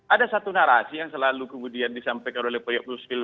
ada satu narasi yang selalu kemudian disampaikan oleh pak yusril